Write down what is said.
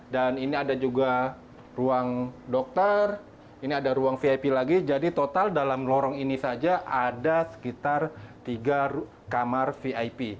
ini ada juga ruang dokter ini ada ruang vip lagi jadi total dalam lorong ini saja ada sekitar tiga kamar vip